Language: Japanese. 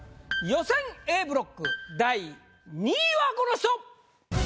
予選Ａブロック第２位はこの人。